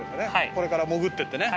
これから潜っていってね。